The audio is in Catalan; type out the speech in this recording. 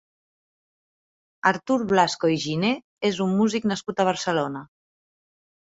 Artur Blasco i Giné és un músic nascut a Barcelona.